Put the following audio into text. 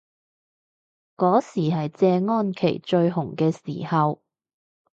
嗰時係謝安琪最紅嘅時候